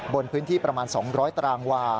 บนพื้นที่ประมาณ๒๐๐ตารางวา